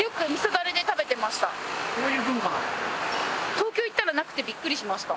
東京行ったらなくてビックリしました。